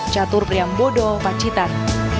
catur priang bodo pacitan